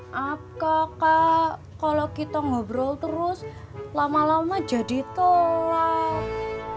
maaf kakak kalau kita ngobrol terus lama lama jadi telat